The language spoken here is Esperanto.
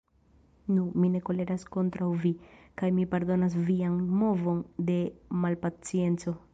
Nu, mi ne koleras kontraŭ vi, kaj mi pardonas vian movon de malpacienco.